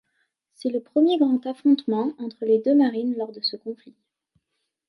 C'est le premier grand affrontement entre les deux marines lors de ce conflit.